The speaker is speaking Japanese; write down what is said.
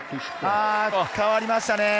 変わりましたね。